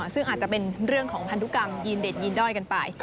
ซึ่งอาจจะเป็นเรื่องของพันธุกรรมยีนเด็ดยีนด้อยกันไป